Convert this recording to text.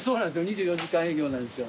２４時間営業なんですよ。